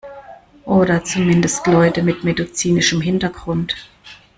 Oder zumindest Leute mit medizinischem Hintergrund.